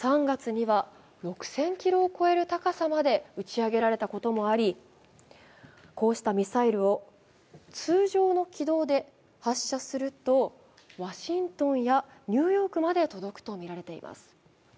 ３月には６０００ｋｍを超える高さまで打ち上げられたこともあり、こうしたミサイルを通常の軌道で発射するとワシントンやニューヨークまで届くとみられています。